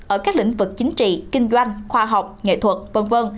ở các lĩnh vực chính trị kinh doanh khoa học nghệ thuật v v